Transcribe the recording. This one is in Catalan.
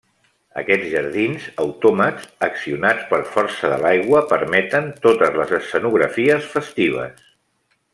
Aquests jardins, autòmats accionats per força de l'aigua permeten totes les escenografies festives.